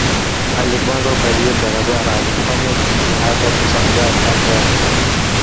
Alipoanza kukaribia barabarani alifanya jitihada kusogea kando ya mto